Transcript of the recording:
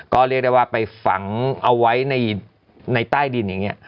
ก็เรียกได้ว่าไปฝังเอาไว้ในใต้ดินอย่างนี้